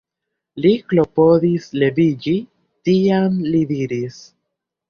Li klopodis leviĝi, tiam li diris: